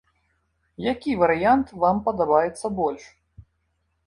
Які варыянт вам падабаецца больш?